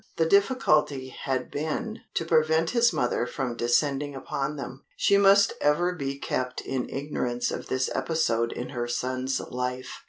The difficulty had been to prevent his mother from descending upon them. She must ever be kept in ignorance of this episode in her son's life.